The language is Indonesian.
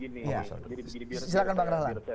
silahkan bang rahlan